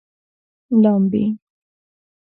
لامبي